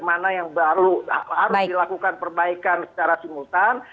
mana yang baru harus dilakukan perbaikan secara simultan